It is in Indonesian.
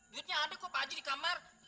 duitnya ada kok pak ji di kamar